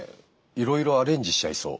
いろいろアレンジしちゃいそう。